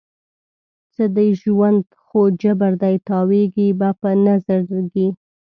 څه دی ژوند؟ خو جبر دی، تاویږې به په نه زړګي